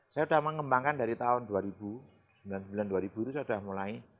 saya sudah mengembangkan dari tahun dua ribu sembilan dua ribu itu saya sudah mulai